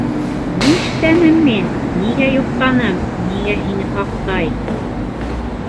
- Ништәнем мин... нигә йоҡтаным... нигә һине һаҡтай...